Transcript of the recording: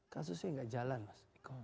kasusnya gak jalan mas